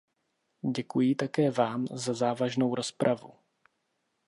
Děkuji také vám za závažnou rozpravu.